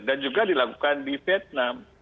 dan juga dilakukan di vietnam